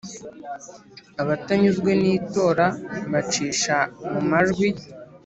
Abatanyuzwe n itora bacisha mu majwi